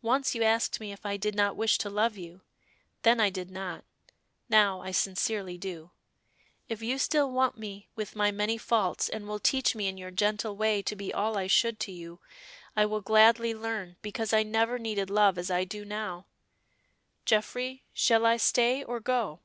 Once you asked me if I did not wish to love you; then I did not, now I sincerely do. If you still want me with my many faults, and will teach me in your gentle way to be all I should to you, I will gladly learn, because I never needed love as I do now. Geoffrey, shall I stay or go?"